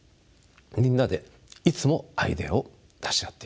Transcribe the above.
みんなでいつもアイデアを出し合っています。